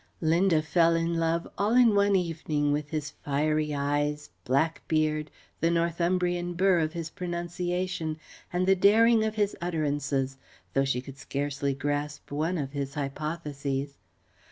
Linda fell in love all in one evening with his fiery eyes, black beard, the Northumbrian burr of his pronunciation, and the daring of his utterances, though she could scarcely grasp one of his hypotheses.